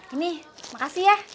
ini makasih ya